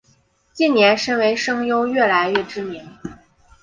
近年身为声优愈来愈知名。